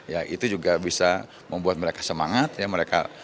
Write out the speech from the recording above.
ya itu juga bisa membuat mereka berpikir bahwa mereka bisa berpikir